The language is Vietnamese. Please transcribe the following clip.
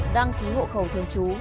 đăng ký hộ khẩu thương chú